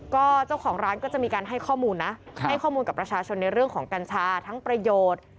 ก็เจ้าของร้านก็จะมีการให้ข้อมูลนะให้ข้อมูลกับประชาชนในเรื่องของกัญชาทั้งประโยชน์